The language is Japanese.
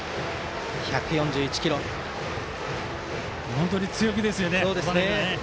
本当に強気ですね。